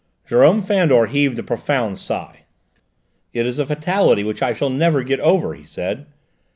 Jérôme Fandor heaved a profound sigh. "It is a fatality which I shall never get over," he said.